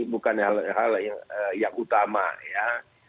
bukan hal hal yang utama ya